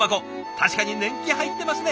確かに年季入ってますね。